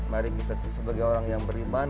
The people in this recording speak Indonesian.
mari kita sebagai orang yang beriman